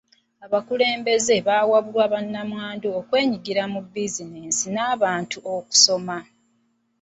Abakulembeze baawabula bannamwandu okwenyigira mu bizinensi n'okukubiriza abantu okusoma.